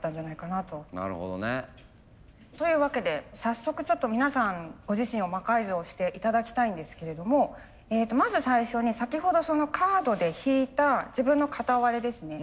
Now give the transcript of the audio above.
なるほどね。というわけで早速ちょっと皆さんご自身を魔改造して頂きたいんですけれどもまず最初に先ほどカードで引いた自分の片割れですね。